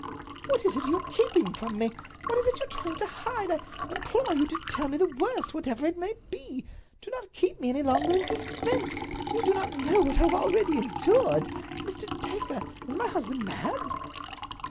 "What is it you are keeping from me? What is it you are trying to hide? I implore you to tell me the worst, whatever it may be! Do not keep me any longer in suspense; you do not know what I already have endured. Mr. Dacre, is my husband mad?"